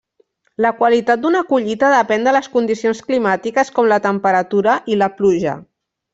La qualitat d'una collita depèn de les condicions climàtiques com la temperatura i la pluja.